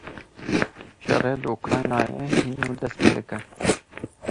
Şerê li Ukraynayê hîn nû dest pê dike.